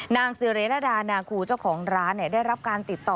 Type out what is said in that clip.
นางสิริรดานาคูเจ้าของร้านได้รับการติดต่อ